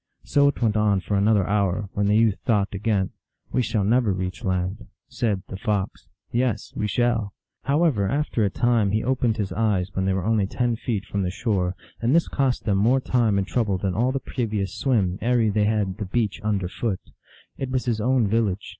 So it went on for another hour, when the youth thought again, " We shall never reach land." Said the Fox, " Yes, we shall." How ever, after a time he opened his eyes, when they were only ten feet from the shore, and this cost them more time and trouble than all the previous swim ere they had the beach under foot. It was his own village.